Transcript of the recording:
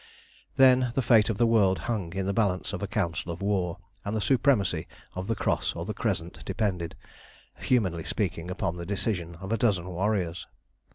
Then the fate of the world hung in the balance of a council of war, and the supremacy of the Cross or the Crescent depended, humanly speaking, upon the decision of a dozen warriors.